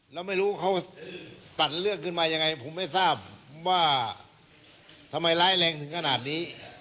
แล้วไม่รู้เขาตัดเรื่องขึ้นมายังไงผมไม่ทราบว่าทำไมร้ายแรงถึงขนาดนี้